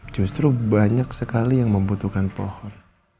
justru banyak sekali yang membutuhkan pohon